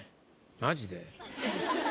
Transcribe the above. マジで？